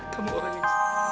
kamu orang yang